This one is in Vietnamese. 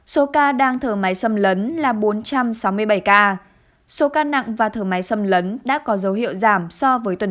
số ca đang thở máy xâm lấn là bốn trăm sáu mươi bảy ca số ca nặng và thở máy xâm lấn đã có dấu hiệu giảm so với tuần trước